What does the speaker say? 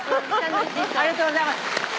ありがとうございます。